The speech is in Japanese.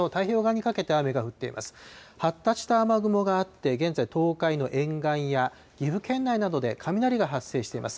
発達した雨雲があって、現在、東海の沿岸や岐阜県内などで雷が発生しています。